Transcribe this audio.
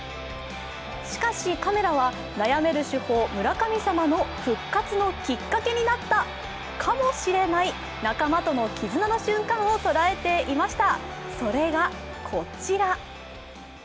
しかしカメラは悩める主砲・村神様の復活のきっかけになったかもしれない仲間との絆の瞬間を捉えていました。